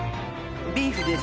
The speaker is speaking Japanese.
ビーフです。